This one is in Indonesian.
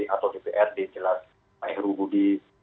atau dprd jelas pak heru budi